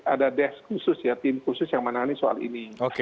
ada des khusus tim khusus yang menangani soal ini